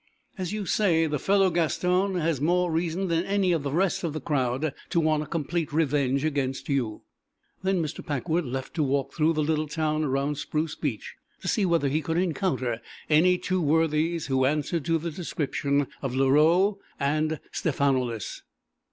As you say, the fellow Gaston has more reason than any of the rest of the crowd to want a complete revenge against you." Then Mr Packwood left to walk through the little town around Spruce Beach, to see whether he could encounter any two worthies who answered to the description of Leroux and Stephanoulis.